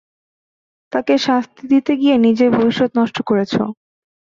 তাকে শাস্তি দিতে গিয়ে নিজের ভবিষ্যত নষ্ট করেছো।